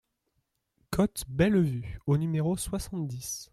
Côte Bellevue au numéro soixante-dix